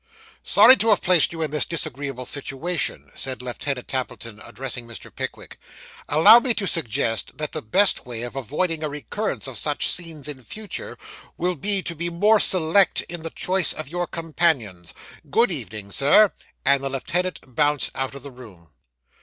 'Sorry to have placed you in this disagreeable situation,' said Lieutenant Tappleton, addressing Mr. Pickwick; 'allow me to suggest, that the best way of avoiding a recurrence of such scenes in future will be to be more select in the choice of your companions. Good evening, Sir!' and the lieutenant bounced out of the room.